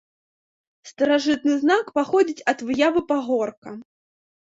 Старажытны знак паходзіць ад выявы пагорка.